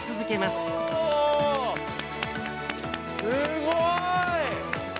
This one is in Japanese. すごーい！